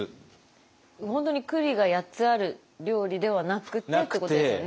本当に栗が８つある料理ではなくてっていうことですよね？